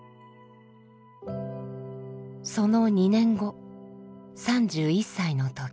その２年後３１歳の時。